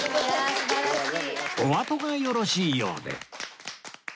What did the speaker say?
おあとがよろしいようで